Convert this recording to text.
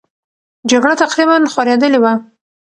جګړه تقریبا خورېدلې وه.